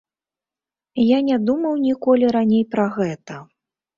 Я не думаў ніколі раней пра гэта.